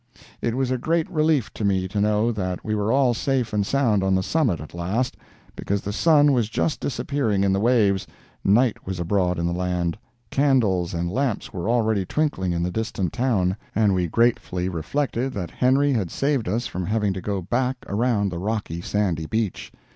It was a great relief to me to know that we were all safe and sound on the summit at last, because the sun was just disappearing in the waves, night was abroad in the land, candles and lamps were already twinkling in the distant town, and we gratefully reflected that Henry had saved us from having to go back around the rocky, sandy beach.